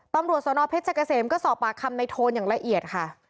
ตำรวจสนเพชรเกษมก็สอบปากคำในโทนอย่างละเอียดค่ะ